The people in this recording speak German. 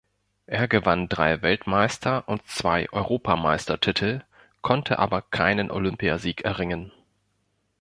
Er gewann drei Weltmeister- und zwei Europameistertitel, konnte aber keinen Olympiasieg erringen.